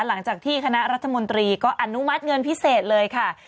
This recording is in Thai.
หลังจากที่คณะรัฐมนตรีก็อนุมัติเงินพิเศษเลยค่ะ